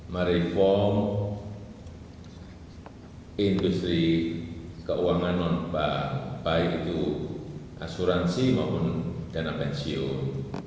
mereform industri keuangan non bank baik itu asuransi maupun dana pensiun